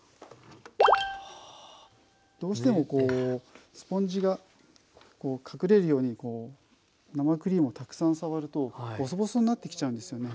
どうしてもスポンジが隠れるように生クリームをたくさん触るとボソボソになってきちゃうんですよね。